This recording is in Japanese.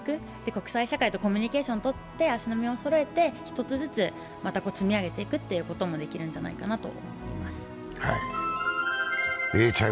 国際社会とコミュニケーションを取って足並みをそろえて、一つずつ積み上げていくっていうこともできるんじゃないかなと。